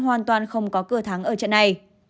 hoàn toàn không có cửa thắng ở trận này